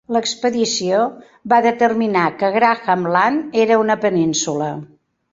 L'expedició va determinar que Graham Land era una península.